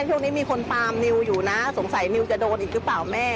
ช่วงนี้มีคนตามนิวอยู่นะสงสัยนิวจะโดนอีกหรือเปล่าแม่